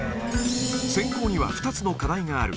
選考には２つの課題がある。